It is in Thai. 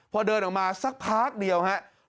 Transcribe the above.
พอเดินออกมาสักพักเดียวครับ